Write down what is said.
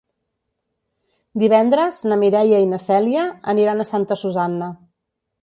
Divendres na Mireia i na Cèlia aniran a Santa Susanna.